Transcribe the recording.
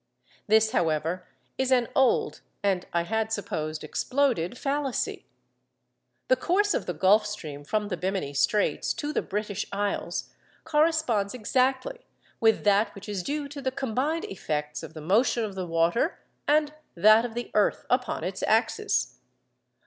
This, however, is an old, and I had supposed exploded, fallacy. The course of the Gulf Stream from the Bemini Straits to the British Isles corresponds exactly with that which is due to the combined effects of the motion of the water and that of the earth upon its axis.